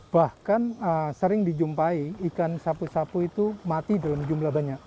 bahkan sering dijumpai ikan sapu sapu itu mati dalam jumlah banyak